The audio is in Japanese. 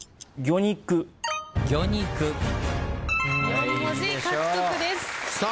４文字獲得です。